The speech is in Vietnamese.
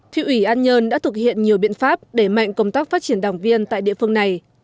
thị ủy an nhơn đã thực hiện nhiều biện pháp để mạnh công tác phát triển đảng viên tại địa phương này